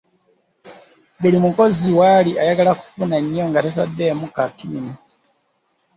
Buli mukozi w'ali ayagala kufuna nnyo nga ataddemu katini.